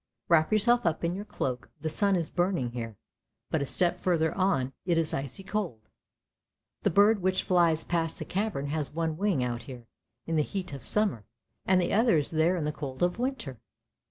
Wrap yourself up in your cloak, the sun is burning here, but a step further on it is icy cold. The bird which flies past the cavern has one wing out here in the heat of summer, and the other is there in the cold of winter."